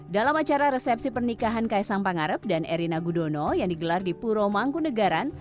dalam acara resepsi pernikahan kaisang pangarep dan erina gudono yang digelar di puro mangkunagaran